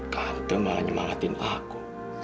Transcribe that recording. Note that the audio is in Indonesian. tante malah nyemangatin aku